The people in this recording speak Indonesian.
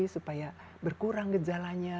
supaya berkurang gejalanya